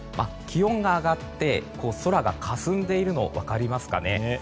気温が上がって空がかすんでいるのが分かりますかね？